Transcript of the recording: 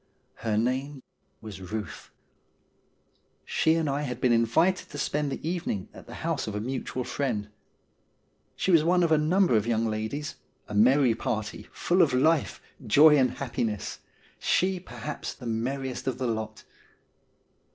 Her name was Euth. She and I had been invited to spend the evening at the house of a mutual friend. She was one of a number of young ladies — a merry party, full of life, joy, and happiness ; she, perhaps, the merriest of the lot.